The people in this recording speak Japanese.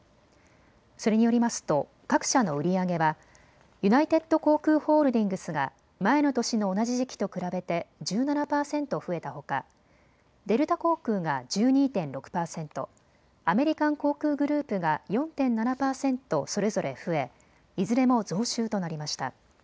それによりますと各社の売り上げはユナイテッド航空ホールディングスが前の年の同じ時期と比べて１７％増えたほかデルタ航空が１２．６％、アメリカン航空グループが４．７％それぞれ増え、いずれも増収となりました。